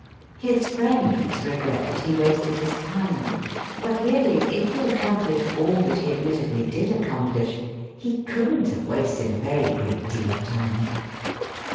His friends regret that he wasted his time, but really, if he accom plished all that he admittedly did accomplish, he couldn't have wasted a very great deal of time.